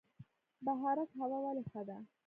بهارک هوا ولې ښه ده؟